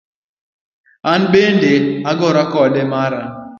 An bende agora koda mara.